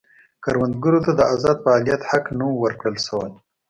کروندګرو ته د ازاد فعالیت حق نه و ورکړل شوی.